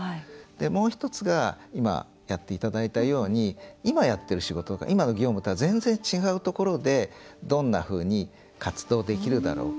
もう１つが今やっていただいたように今、やっている仕事今の業務とは全然、違うところでどんなふうに活動できるだろうか。